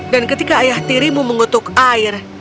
dan ketika ayah tirimu mengutuk air